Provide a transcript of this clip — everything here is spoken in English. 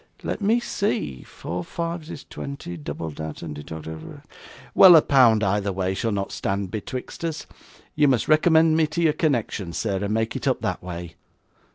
'Let me see; four fives is twenty, double that, and deduct the well, a pound either way shall not stand betwixt us. You must recommend me to your connection, sir, and make it up that way.